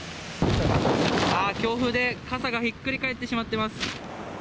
ああ、強風で傘がひっくり返ってしまってます。